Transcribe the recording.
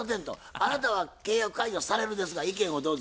あなたは契約解除されるですが意見をどうぞ。